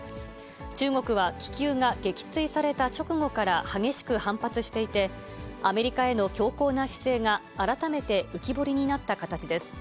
中国は気球が撃墜された直後から激しく反発していて、アメリカへの強硬な姿勢が改めて浮き彫りになった形です。